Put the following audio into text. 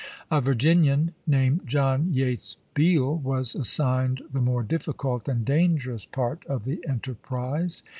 A Virginian named John Yates Beall was assigned the more difficult and dangerous part of the enterprise.